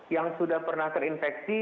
yang sudah pernah terinfeksi